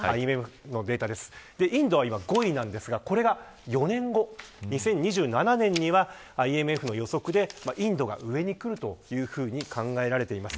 インドは今５位ですがこれが４年後２０２７年には、ＩＭＦの予測でインドが上にくるというふうに考えられています。